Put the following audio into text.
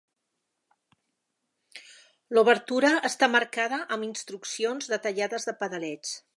L'obertura està marcada amb instruccions detallades de pedaleig.